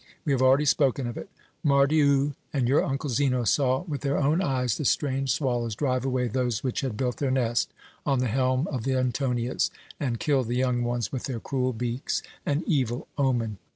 We have already spoken of it. Mardion and your uncle Zeno saw with their own eyes the strange swallows drive away those which had built their nest on the helm of the Antonias, and kill the young ones with their cruel beaks. An evil omen!